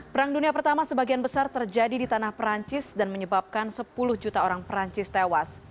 perang dunia pertama sebagian besar terjadi di tanah perancis dan menyebabkan sepuluh juta orang perancis tewas